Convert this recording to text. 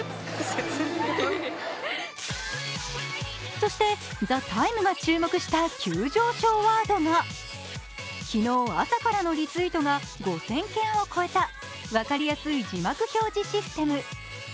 そして、「ＴＨＥＴＩＭＥ，」が注目した急上昇ワードが昨日、朝からのリツイートが５０００件を超えたわかりやすい字幕表示システム。